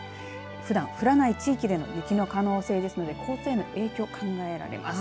ふだん降らない地域での雪の可能性ですので交通への影響が考えられます。